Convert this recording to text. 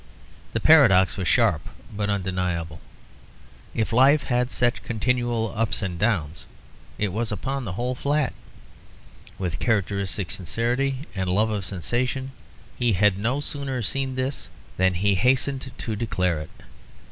The paradox was sharp but undeniable; if life had such continual ups and downs, it was upon the whole flat. With characteristic sincerity and love of sensation he had no sooner seen this than he hastened to declare it.